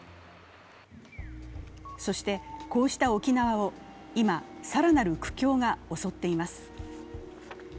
そして、こうした沖縄を今、更なる苦境が襲っています。